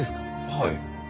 はい。